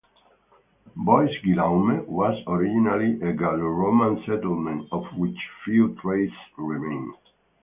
Bois-Guillaume was originally a Gallo-Roman settlement of which few traces remain.